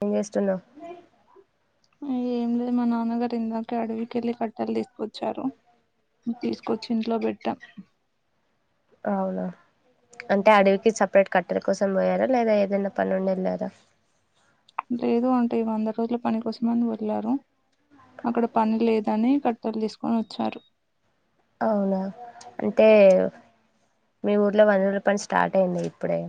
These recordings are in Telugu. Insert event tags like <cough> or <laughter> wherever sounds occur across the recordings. అ <inaudible> ఉ ఏం లేదు మా నాన్నగారి ఇందాకే అడవికెళ్లిి కట్టలు తీసుకొచ్చారు తీసుకొచ్చి ఇంట్లో పెట్టాం అవునా అంటే అడవికి సపరేట్ కట్టెలు కోసం పోయారా లేదా ఏదైనా పనుండి ఎళ్ళారా లేదు ఆంటి వంద రోజుల పని కోసమని వెళ్లారు అక్కడ పని లేదని కట్టలు తీసుకు కొొని వచ్చారు. అవునా అంటే మీ ఊర్లో వంద రోజుల పని స్టార్ట్ అయింది ఇప్పుడే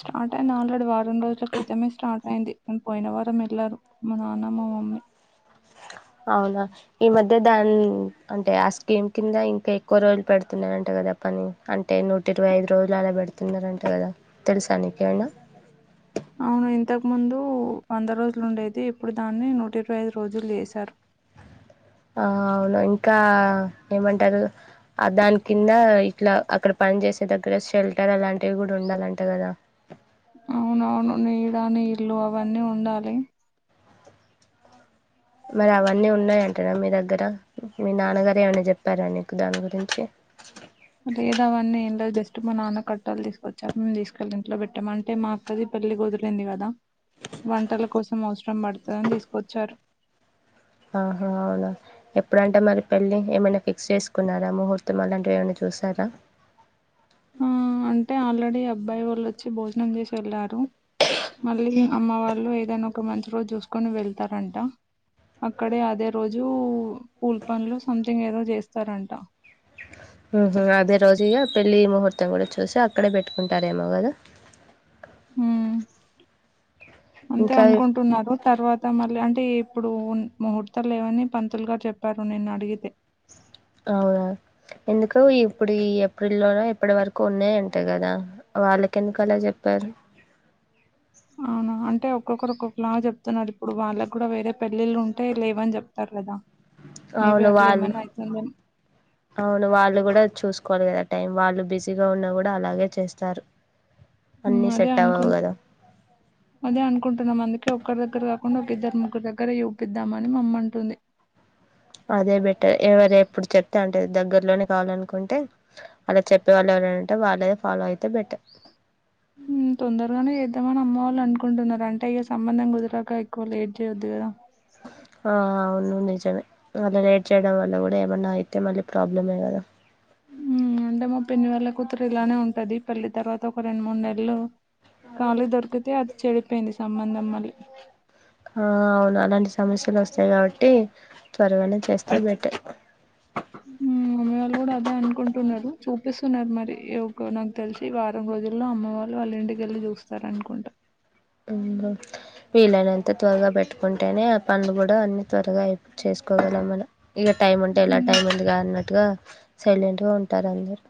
స్టార్ట్ అయిన ఆల్రెడీ వారం రోజుల క్రితమే స్టార్ట్ అయింది పోయిన వారం ఎల్లారు మా నాన్న మా మమ్మీ అవునా ఈ మధ్య అదే దాని అంటే ఆ స్కీమ్ కింద ఇంకా ఎక్కువ అంటే స్కీం కింద రోజులు ఇంకా ఎక్కువ రోజులు పెడుతున్నారంట కదా పని అంటే నూట ఇరవై ఐదు రోజులు అలా పెడుతున్నారంట కదా తెలుసా నీకేమన్నా అవును ఇంతకు ముందు వంద రోజులు ఉండేది ఇప్పుడు దాన్ని నూట ఇరవై ఐదు రోజులు చేసారు ఆ అవును ఇంకా ఏమంటారు ఆ దాని కింద ఇట్లా అక్కడ పని చేసే దగ్గర షెల్టర్ అలాంటివి కూడా ఉండాలంట కదా అవునవును నీడ నీళ్ళు అవన్నీ ఉండాలి మరి అవన్నీ ఉన్నాయంటార మీ దగ్గర మీ నాన్నగారు ఏమనా చెప్పారా నీకు దాని గురించి లేదు అవన్నీ ఏం లే జస్ట్ మా నాన్న కట్టలు తీసుకొచ్చారు మేము తీసుకెళ్ళి ఇంట్లో పెట్టాం అంటే మా అక్కది పెళ్లి కుదిరింది కదా. వంటల కోసం అవ సరం పడుతదని తీసుకొచ్చారు ఆహా అవునా ఎప్పుడంట మరి పెళ్ళి ఏమైనా ఫిక్స్ చేసుకున్నారా ముహూర్తం అలాంటివి ఏమైనా చూసారా. ఆ అంటే ఆల్రెడీ అబ్బాయి వాళ్ళు వచ్చి భోజనం చేసి వెళ్ళారు. మళ్ళీ అమ్మాయి వాళ్ళు ఏదైనా ఒక మంచి రోజు చూసుకొని వెళ్తారంట అక్కడే అదే రోజు పూల్ పండ్లు సంథింగ్ ఏదో చేస్తారంట. మ్మ హ్మ్ అదే రోజిగా పెళ్లి ముహూర్ త్తం గూడ చూసాం అక్కడే బెట్టుకుంటారేమో గదా హ్మ్ అంతే ఇంకా అనుకుంటున్నారు తర్వాత మళ్ళీ అంటే టే ఇప్పుడు ముహూర్తాలు లేవని పంతులుగారు చెప్పారు నిన్న అడిగితే అవునా ఎందుకు ఇప్పుడు ఈఎప్ ప్రిల్లో న ఇప్పటి వరకు ఉన్నాయంటాయి కదా వాళ్ళకెందుకు అలా జెప్పారు అవునా అంటే ఒక్కొక్కరు ఒక్కొక్క లాగా చెప్తున్నారు ఇప్పుడు వాళ్ళకి కూడా వేరే పెళ్ళిళ్ళు ఉంటే లేవని చెప్తారు లేదా అవును వాళ్ళు అవును వాళ్ళు కూడా చూసుకోవాలి కదట్ టైం వాళ్ళు బిజీగా ఉన్నా కూడా అలాగే చేస్తారు అన్నీ అదే సెట్ అవ్వవు అనుకుంటు కదా అదే అనుకుంటున్నాం అందుకు ఒకక్కరి దగ్గర కాకుండా ఒక ఇద్దరు ముగ్రు దగ్గర చూపిద్దామని మమ్మంటుంది అదే బెటర్ ఎవరు ఎప్పుడు చెప్తే అంటే దగ్గర్లోనే కావాలనుకుంటే అలా చెప్పేవాళ్ళు ఎవర వాళ్ళద ఫాలో అయితే బట్ట తొందరగానే చేద్దామని అమ్మవళ్ అనుకుంటున్నారు అంటే ఇక సంబంధం కుదిరక ఎక్కువ లేట్ చేయొద్దు కదా ఆ అవును నిజమే అలా లేట్ చేయడం వల్ల కూడా ఏమన్నా అయితే మళ్ళీ ప్రాబ్లమే కదా మ్మ్ అంటే పిన్ని వాళ్ళ కూతురు ఇలానే ఉంటది పెళ్లి తర్వాత ఒక రెండు మూడు నెలలు కాళీ దొరికితే అది చెడిపోయింది సంబంధం మళ్ళీ ఆ అవును అలాంటి సమస్యలు వస్తాయి కాబట్టి త్వరగానే చస్త పెట్ మ్మ్ మమ్మీ వాళ్ళు కూడా అదే అనుకుంటున్నారు చూపిస్తున్నారు మరి నాకు తెలిసి వారం రోజుల్లో అమ్మ వాళ్ళు వాళ్ళ ఇంటికెళ్ళి చూస్తారు అనుకుంటారు వీలైనంత త్వరగా పెట్టుకుంటేనే ఆ పండ్లు కూడా అన్ని త్వరగా అయిపోయి చేసుకోవగాల మన ఇక టైం ఉంటే ఎలా టైం ఉందిగా అన్నట్టుగా సైలెంట్ గా ఉంటారు అందరు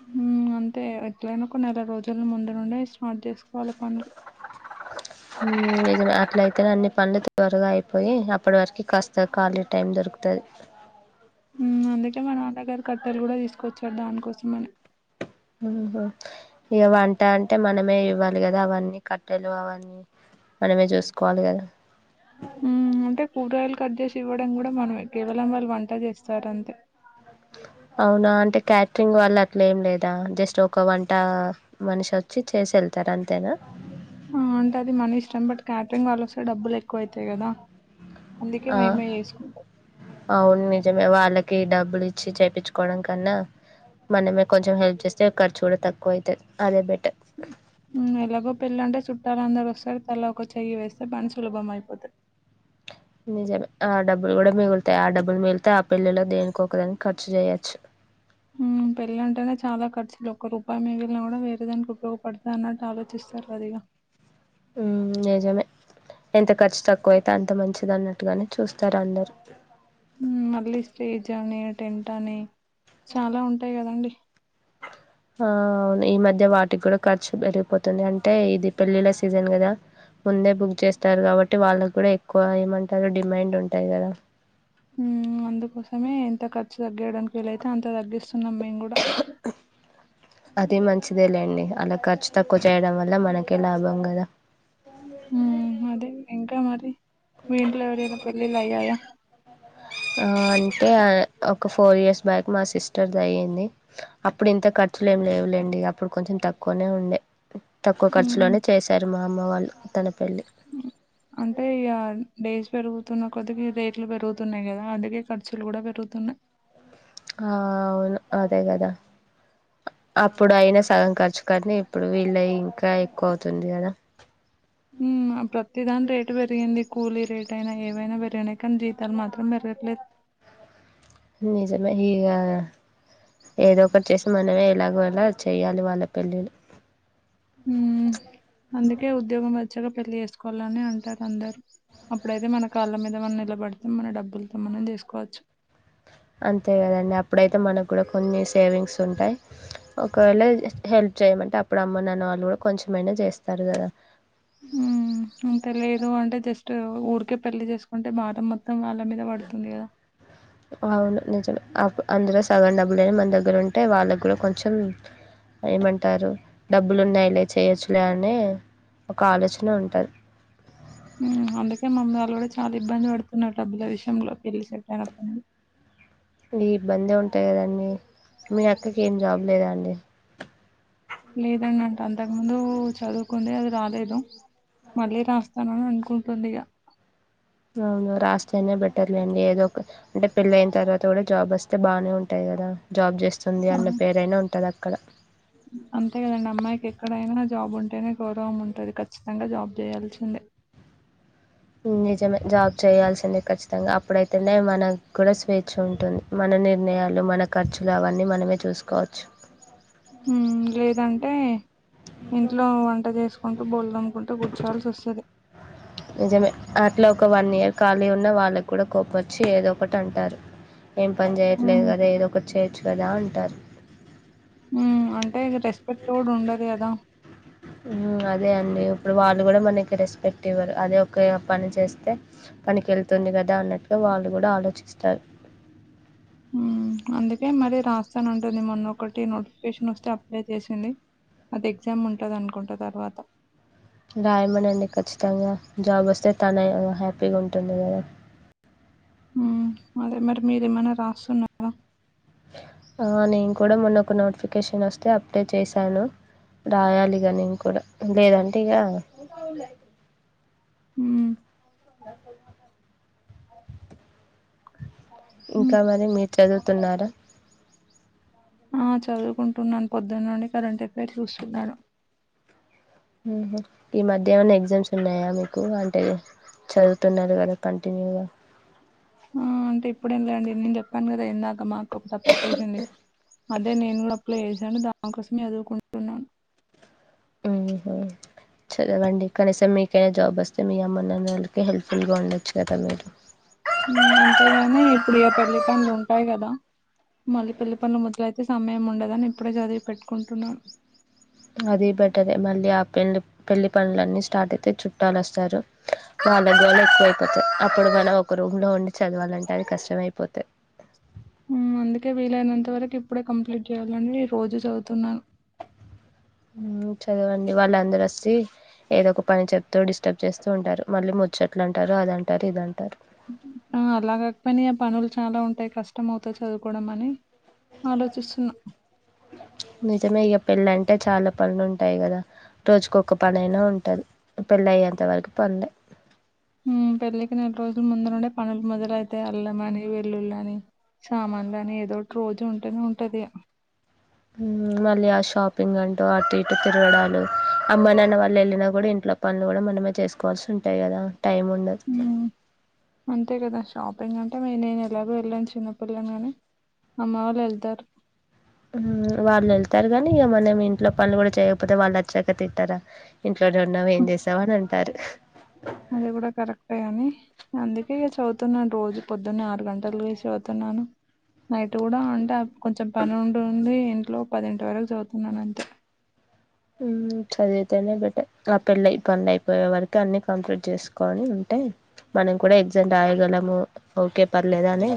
హ మ్మ్ అంతే ఎట్లైనా కొ నెల రోజుల ముందు నుండి స్మార్ట్ చేసుకోవాలి పనులు ద అట్ల అయితేనే అన్ని పనులు త్వరగా అయిపోయి అప్పటి వరకు కాస్త ఖాళీ టైం దొరుకుతుంది అందుక మనర కట్టెలు కూడా తీసుకొచ్చాడు దానికోసం అని హ ఇక వంట అంటే మనమే ఇవ్వాలి కదా అవన్నీ కట్టెలు అవన్నీ మనమే చూసుకోవాలి కదా అంట పూరయిలు కద శివడు కూడా మనంట్ కేవలం వాళ్ళు వంట చేస్త సరే అంతే అవునా అంటే క్యాటరింగ్ వాళ్ళ లేం లేదా జస్ట్ ఒక వంట మనిషి వచ్చి చేసి వెళ్తారు అంతేనా అంటే అది మన ఇష్టం బట్ క్యాటరింగ్ వాళ్ళ ఒకసారి బ్బులు ఎక్ కోయితే కదా అందుకే ఆ మేమే చేసుకుంటాం అవును నిజమే వా వాళ్ళకి డబ్బులు ఇచ్చి చేయిించుకోవడం కన్నా మనమే కొంచెం హెల్ప్ చేస్తే ఖర్చు కూడా తక్కువ అవుతుది అదేట్టి ఎలాగో పెళ్ళంటే చుట్ట చట్టాలందరూ ఒకస్తారి తల ఒక చెయ్యి వేస్తే బని సులభం అయిపోతుంది నిజమే ఆ డబ్బులు కూడా మిగులుతాయి ఆ డబ్బులు మిగిలితా ఆ పెళ్ళలో దేనికికో ఒకదానికి ఖర్చు చేయొచ్చు పళ్ల ఉంట చాలా ఖర్చులు ఒక్క రూపాయి మిగిలిన కూడా వేరే దానికి ఉపయోగపడతా అన్నట్టు ఆలోచిస్తారు అదిగా నిజమే ఎంత ఖర్చు తక్కువైతే అంత మంచిది అన్నట్టుగానే చూస్తారు అందరు మళ్ళీ స్టేజ్ అని టెంట్ అని చాలా ఉంటాయి కదండి ఆ అవును ఈ మధ్య వాటికి కూడా ఖర్చు పెరిగిపోతుంది అంటే ఇది పెళ్ళిళ్ళ సీజన్ కదా ముందే బుక్ చేస్తారు కాబట్టి వాళ్ళకి కూడా ఎక్కువ ఏమంటారు డిమాండ్ ఉంటాయి కదా అందుకోసమే ఎంత ఖర్చుగా తగ్యడానికిీలతేంత తగ్గిస్తున్నాంే అదే మంచిదే లేండి అలా ఖర్చు తక్కువ చేయడం వల్ల మనకే లాభం కదా హ అదే ఇంకా మరి మీీట్లో ఎవడినా పెళ్ళిలయి ఆయా ఆ అంటే ఒక ఫోర్ ఇయర్స్ బ్యాక్ మా సిస్టర్ది అయ్యంది అప్పుడు ఇంత ఖర్చులు ఏం లేవు లే డి అప్పుడు కొంచెం తక్కువనే ఉండే తక్కువ ఉమ్ ఖర్చులోనే చేశారు మా అమ్మ వాళ్ళు తన పెళ్లి అంటే ఇ డేస్ పెరుగుతున్న కొద్దిగా రేట్లు పెరుగుతున్నాయి కదా అందుకే ఖర్చులు కూడా పెరుగుతున్నాయి ఆ అవును అదే కదా అప్పుడు అయినా సగం ఖర్చు కానీ ఇప్పుడు వీళ్ళ ఇంకా ఎక్కువ అవుతుంది చడియార ప్రతిదాని రేటు పెరిగింది కూలీ రేట్ అైనా ఏవైనా పెరిగినా కానీ జీతాలు మాత్రం పెరగట్లేదు నిజమా ఇగా ఏదో ఒకటి చేసి మనమే ఎలాగోల చెయ్యాలి వాళ్ళ పెళ్ళిళ్ళ ఉ అందుకే ఉద్యోగం మధ పచ్చగా పెళ్లి చేసుకోవాలని అంటారు అందరు అప్పుడైతే మన కాళ్ళ మీద మనం నిలబడితే మన డబ్బులతో మనం చేసుకోవచ్చు అంతే కదండి అప్పుడైతే మనకు కూడా కొన్ని సేవింగ్స్ ఉంటాయి ఒకవేళ హెల్ప్ చేయమంటే అప్పుడు అమ్మ నాన్న వాళ్ళు కూడా కొంచెమైనా చేస్తారు కదా ఉ అంతలా ఇ ఉండది జస్ట్ ఊరికే పెళ్లి చేసుకుంటే మారం మొత్తం వాళ్ళ మీద పడుతుంది కదా అవును నిజం అ అందలో సగ డబ్లులే మన దగ్గర ఉ అంటే వాళ్ళ కూడా కొంచెం ఏమంటారు డబ్బులున్నాయి లే చేయొచ్చులే అని ఒక ఆలోచన ఉంటారు హ్మ్ అందుకే మమ్మీ కూడా చాలా ఇబ్బంది పడుతున్నారు డబ్బుల విషయంలో పలిసట్ ఇ ఇబ్బంద ఉంటాయి కదండి మీ అక్కకి ఏం జాబ్ లేదా అండి లేదాన్నా అంతకు ముందు చదువుకుే అది రాలేదు మళ్ళీ రాస్తానుని అనుకుంటుంది ఇక అవును రాస్తేనే బెటర్లేండి ఏదో ఒక అంటే పెళ్ళ అయిన తర్వాత కూడా జాబ్ వస్తే బాగానే ఉంటాయి కదా జాబ్ చేస్తే సంది అన్న పేరైనా ఉంటుంది అక్కడ అంతే కదండి అమ్మాయికి ఎక్కడైనా జాబ్ ఉంటేనే గౌరవం ఉంటుంది ఖచ్చితంగా జాబ్ చేయాల్సిందే నిజమే జాబ్ చేయాల్సింద ఖచ్చితంగా అప్పుడైతే ఎ మన గుడ స్వేచ్ ఖర్చు ఉంటుంది మన నిర్ణయాలు మన ఖర్చులు అవన్నీ మనమే చూసుకోవచ్చు లేదంటే ఇంట్లో వంట చేసుకుంటూ బొళ అమ్ముకుంటే కూర్చోల్సి వస్తుంది నిజమే అట్లా ఒక వన్ ఇయర్ ఖాళీ ఉన్న వాళ్ళకి కూడా కోప్ప వచ్చి ఏదో ఒకటి అంటారు ఏం పని చేయట్లేదు ఉమ్ కదా ఏదో ఒకటి చేర్చ్ కలా ఉంటారు ఉమ్, అంటే రెస్పెక్ట్ కూడా ఉండదు కదా మ్మ్ అదే అండి ఇప్పుడు వాళ్ళు కూడా మనకి రెస్పెక్ట్ ఇవ్వరు అదే ఒకే పని చేస్తే పనికి వెళ్తుంది కదా అన్నట్టుగా వాళ్ళు కూడా ఆలోచిస్తారు. మ్మ్ అందుకే మరి రాస్తానం టుంది మొన్నొ ఒకటి నోటిఫికేషన్ వస్తే అప్లై చేసింది అది ఎగ్జామ్ ఉంటంది అనుకుంట తర్వాత రాయమనండి కచ్చితంగా జాబ్ వస్తే తనే హ్యాపీగా ఉంటుంది కదా మ్మ్ అదే మరి మీరేమనా రాస్తున్నారా ఆ, నేను కూడా మొన్న ఒక నోటిఫికేషన్ వస్తే అప్లై చేశాను రాయాలిగా నేను కూడా లేదంటే ఇక మ్మ్ స ఉమ్. ఇంకా మరి మీరు చదువుతున్నారా ఆ చదువుకుంటున్నాను పొద్దున్న నుండి కరెంట్ ఎఫైర్ చూస్తున్నాను హ్మ్ హు ఈ మధ్య ఏమైనా ఎగ్జామ్స్ ఉన్నాయా మీకు అంటే చదువుతున్నారు కదా కంటిన్యూగా మ్మ్ అంటే ఇప్పుడేం లేండి నేను చెప్పాను కదా ఎందక మాకు <unintelligible> అదే నేను కూడా అప్లై చే అను దానికోసమే చదువుకుంటున్నాను హ్మ్ హు చదవండి కనీసం మీకైనా జాబ్ వస్తే మీ అమ్మ నాన్నల్ హెల్ప్ఫుల్ గా ఉండచ్చు కదా మీరు హ్మ్ అంతేగాని ఇప్పుడు ఇగ పెళ్లి పనులు ఉంటాయి కదా మళ్ళీ పెళ్ళి పనులు మొదలైత్ అయితే సమయం ఉండదని ఇప్పుడే చదివి పెట్టుకుంటున్నా అదే బెటర్ మళ్ళీ ఆ పెళ్ళి పెళ్లి పనుడ్లన్నీ స్టార్ట్ అయితే చుట్టాలు వస్తారు ఆళ్ల గోల ఎక్కువైతది ఇప్పుడుగాన ఒక రూమ్ లో ఉం చదవాలంటే అది కష్టమైపోతది మ్మ్ అందుకే వీలైనంత వరకు ఇప్పుడే కంప్లీట్ చేయాలండి నేను రోజు చదువుతున్నాను. మ్మ్ చదవండి వాళ్ళందరు వచ్చి ఏదో ఒక పని చెప్తూ డిస్టర్బ్ చేస్తూ ఉంటారు మళ్ళీ ముచ్చట్లు అంటారు అదంటారు ఇదంటారు ఆ అలా గాకపోయిన ఇగ పనులు చాలా ఉంటాయి కష్టం అవుతది చదువుకోవడం అని ఆలోచిస్తున్నాం పెళ్ళ అంటే చాలా పనులు ఉంటాయి కదా రోజుకొక్క పని అయినా ఉంటది పెళ్ళి అయ్యేంతవరకు పనులే మ్మ్ పెళ్ళికనే రోజుల ముందు నుండే పనులు మొదలైతయి అల్లంమని వెల్లుళ్ళ అని సామాన్లు అని ఏదో ఒకటి రోజు ఉంటేనే ఉంటది ఇగ మ్మ్ మళ్ళీ ఆ షాపింగ్ అన్ తో అటు ఇటు తిరగడాలు అమ్మా నాన్న వాళ్ళు వెళ్ళినా కూడా ఇంట్లో పనులు కూడా మనమే చేసుకోవాల్సి ఉంటాయి కదా టైం ఉండదు. మ్ అంతే కదా షాపింగ్ అంటే నే నేను ఎలాగో వెళ్ళను చిన్నపిల్లని అని అమ్మ వాళ్ళు వెళ్తారు మ్మ్ వాళ్ళు వెళ్తారు కానీ ఇక మనం ఇంట్లో పనులు కూడా చేయకపోతే వాళ్ళు వచ్చాక తిట్టరా ఇంట్లోనే ఉన్నావు ఏం చేసావ్ అని అంటారు. ఎ చదువుతున్నాను రోజు పొద్దున్న ఆరు గంటలుగా చదువుతున్నాను నైట్ కూడా అంటే కొంచెం పని ఉంటుంది నైట్లో పదింటి వరకు చదువుతున్నాను అంతే చదివితేనే బెటర్ ఆ పెళ్ళ పండ్ అయిపోయే వరకు అన్ని కంప్లీట్ చేసుకొని ఉంటే మనం కూడా ఎగ్జామ్ రాయగలము ఓకే పర్లేదా అనే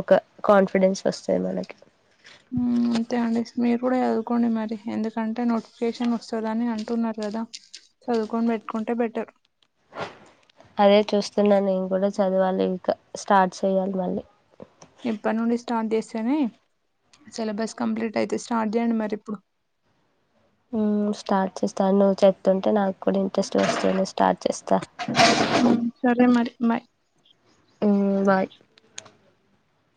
ఒక కాన్ఫిడెన్స్ వస్తంది మనకి మ్మ్, అంతే అండి మీరు కూడా చదువుకోండి మరి ఎందుకంటే నోటిఫికేషన్ వస్తుందని అంటున్నారు కదా చదువుకొని పెట్టుకుంటే బెటర్ అదే చూస్తున్నా నేను కూడా చదివాలి ఇంకా స్టార్ట్ చేయాలి మళ్ళీ ఇప్పటి నుండి స్టార్ట్ చేస్తేనే సిలబస్ కంప్లీట్ అయితే స్టార్ట్ చేయండి మరి ఇప్పుడు ఊమ్ స్టార్ట్ చేస్తాను నువ్వు చెపుతుంటే నాకు ప్పు ఇంట్రెస్ట్ వస్తుంది స్టార్ట్ చేస్తా మ మ్ బాయ్